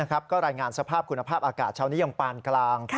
ก็รายงานสภาพคุณภาพอากาศเช้านี้ยังปานกลาง